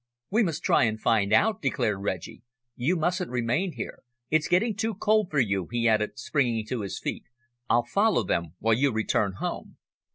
"We must try and find out," declared Reggie. "You mustn't remain here. It's getting too cold for you," he added, springing to his feet. "I'll follow them while you return home."